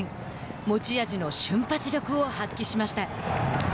持ち味の瞬発力を発揮しました。